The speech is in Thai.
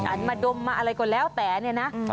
มาดมมาอะไรก็แล้วแต่เนี่ยนะ